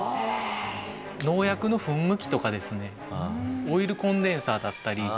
農薬の噴霧器とかですねオイルコンデンサーだったり。